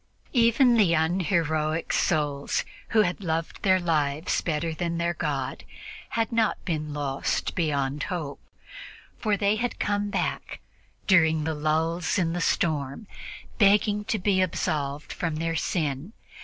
Even the unheroic souls, who had loved their lives better than their God, had not been lost beyond hope, for they had come back during the lulls in the storm, begging to be absolved from their sin.